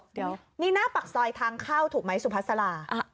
เดี๋ยวนี่หน้าปากซอยทางเข้าถูกไหมสุพัสลา